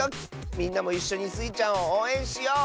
みんなもいっしょにスイちゃんをおうえんしよう！